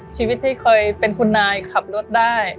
ชีวิตที่เคยเป็นคุณนายขับรถได้